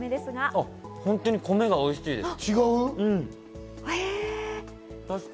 あっ、本当に米がおいしいです！